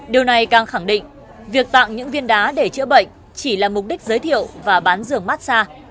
điều này càng khẳng định việc tặng những viên đá để chữa bệnh chỉ là mục đích giới thiệu và bán giường massage